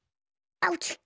あうち。